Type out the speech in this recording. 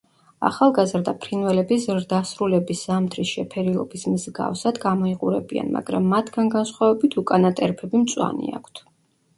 ახალგაზრდა ფრინველები ზრდასრულების ზამთრის შეფერილობის მსგავსად გამოიყურებიან, მაგრამ მათგან განსხვავებით უკანა ტერფები მწვანე აქვთ.